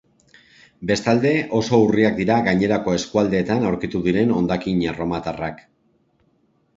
Bestalde, oso urriak dira gainerako eskualdeetan aurkitu diren hondakin erromatarrak.